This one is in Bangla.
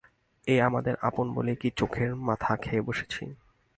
ও আমাদের আপন বলেই কি চোখের মাথা খেয়ে বসেছি?